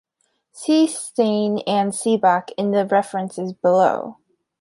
See Steen and Seebach in the references below.